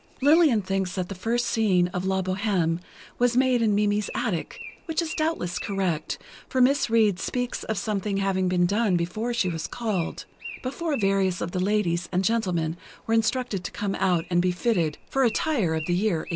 Lillian thinks that the first scene of "La Bohême" was made in Mimi's attic, which is doubtless correct, for Miss Reid speaks of something having been done before she was called—before various of the ladies and gentlemen were instructed to come out and be fitted for attire of the year 1830.